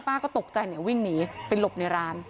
ป้าก็ตกใจวิ่งหนีไปหลบในร้าน